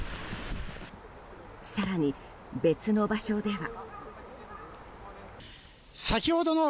更に別の場所では。